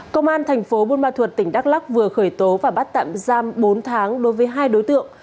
công an thành phố buôn ma thuật tỉnh đắk lắc vừa khởi tố và bắt tạm giam bốn tháng đối với hai đối tượng